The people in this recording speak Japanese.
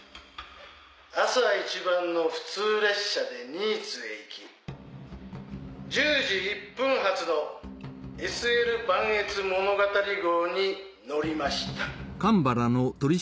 朝一番の普通列車で新津へ行き１０時１分発のＳＬばんえつ物語号に乗りました。